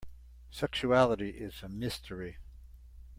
Sexuality is a mystery.